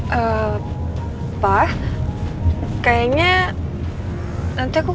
lu tolong t hiding dia dari ya ghost